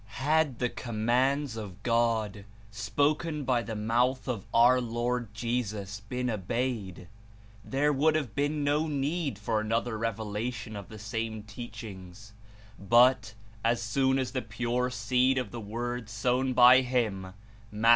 Had the commands of God, spoken by the mouth of our Lord Jesus, been obeyed, there would have been no need for another revelation of the same teach ings, but, as soon as the pure seed of the Word sown by him (*Matt.